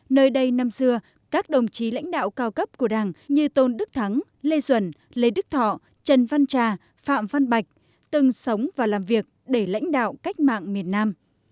nơi đây năm xưa các đồng chí lãnh đạo cao cấp của đảng như tôn đức thắng lê duẩn lê đức thọ trần văn trà phạm văn bạch từng sống và làm việc để lãnh đạo cách mạng miền nam